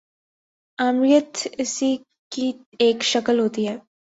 آمریت اسی کی ایک شکل ہوتی ہے۔